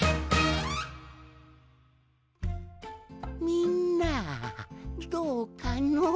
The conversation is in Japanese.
みんなどうかの？